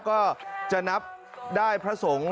ก็จะนับได้พระสงฆ์